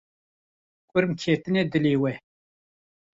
Kurm ketine dilê wê.